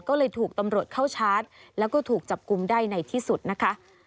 ก็เลยถูกตำรวจเข้าชาร์จแล้วก็ถูกจับกลุ่มได้ในที่สุดนะคะ